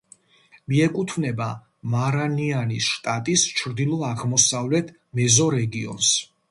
მიეკუთვნება მარანიანის შტატის ჩრდილო-აღმოსავლეთ მეზორეგიონს.